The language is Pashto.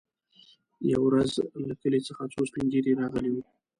يوه ورځ له کلي څخه څو سپين ږيري راغلي وو.